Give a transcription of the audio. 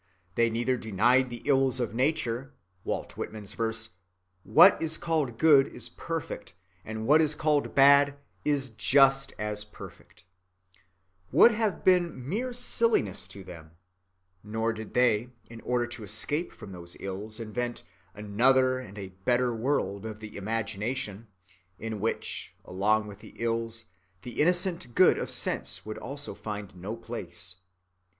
They neither denied the ills of nature,—Walt Whitman's verse, "What is called good is perfect and what is called bad is just as perfect," would have been mere silliness to them,—nor did they, in order to escape from those ills, invent "another and a better world" of the imagination, in which, along with the ills, the innocent goods of sense would also find no place.